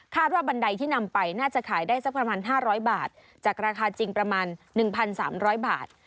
ว่าบันไดที่นำไปน่าจะขายได้สักประมาณ๕๐๐บาทจากราคาจริงประมาณ๑๓๐๐บาท